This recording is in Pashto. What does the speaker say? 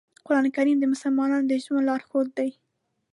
قرآن کریم د مسلمان د ژوند لارښود دی.